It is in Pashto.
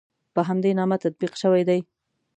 په همدې نامه تطبیق شوي دي.